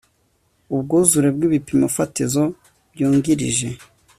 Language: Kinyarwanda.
Ubwuzure bw ibipimo fatizo byungirije